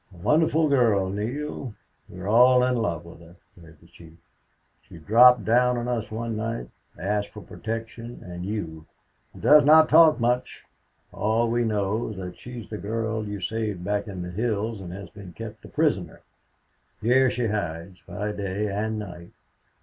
"A wonderful girl, Neale. We're all in love with her," declared the chief. "She dropped down on us one night asked for protection and you. She does not talk much. All we know is that she is the girl you saved back in the hills and has been kept a prisoner. Here she hides, by day and night.